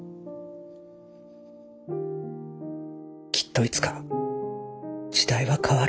きっといつか時代は変わる。